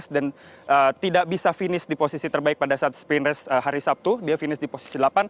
tidak bisa finish di posisi terbaik pada saat spin race hari sabtu dia finish di posisi delapan